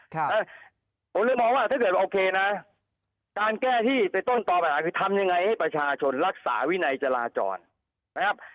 แล้วผมเลยมองว่าถ้าเกิดโอเคนะการแก้ที่เป็นต้นต่อปัญหาคือทำยังไงให้ประชาชนรักษาวินัยจราจรนะครับ